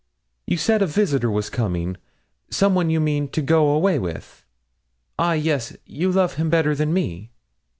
'You said a visitor was coming; some one, you mean, to go away with. Ah, yes, you love him better than me.'